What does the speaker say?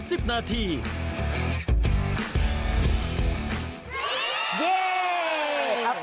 หรือเป็นผู้โชคดีจากทางไหน